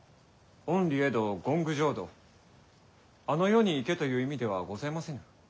「厭離穢土欣求浄土」「あの世に行け」という意味ではございませぬ。